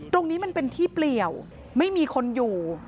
ตรงนี้มันเป็นที่เปลี่ยวไม่มีคนอยู่